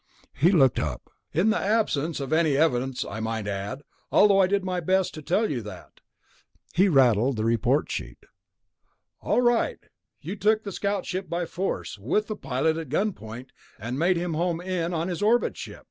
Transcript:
He looked up. "In the absence of any evidence, I might add, although I did my best to tell you that." He rattled the report sheet. "All right. You took the scout ship by force, with the pilot at gunpoint, and made him home in on his orbit ship.